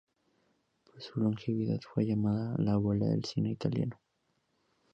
Por su longevidad fue llamada "la abuela del cine italiano".